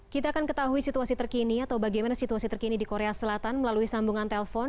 kita akan ketahui situasi terkini atau bagaimana situasi terkini di korea selatan melalui sambungan telpon